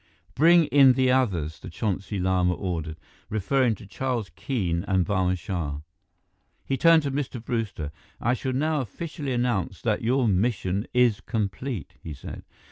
"Bring in the others," the Chonsi Lama ordered, referring to Charles Keene and Barma Shah. He turned to Mr. Brewster. "I shall now officially announce that your mission is complete," he said.